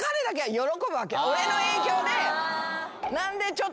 俺の影響で。